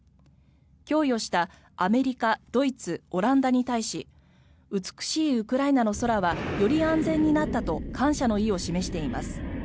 供与したアメリカ、ドイツオランダに対し美しいウクライナの空はより安全になったと感謝の意を示しています。